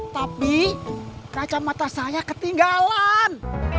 tapi kacamata saya ketinggalan